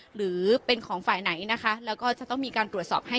หรือเป็นของฝ่ายไหนนะคะแล้วก็จะต้องมีการตรวจสอบให้